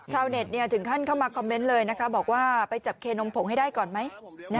ชาวเน็ตถึงขั้นเข้ามาคอมเมนต์บอกว่าไปจับเคนมพงศ์ให้ก่อนไหม